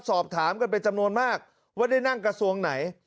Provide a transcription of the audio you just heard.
สอบถามกันเป็นจำนวนมากว่าได้นั่งกระทรวงไหน